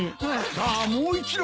さあもう一度。